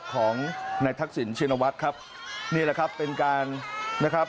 ของนายทักษิณชินวัฒน์ครับนี่แหละครับเป็นการนะครับ